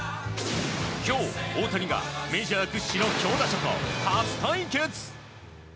今日、大谷がメジャー屈指の強打者と初対決。